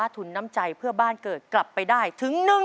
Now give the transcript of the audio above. ถึง๑แสนบาท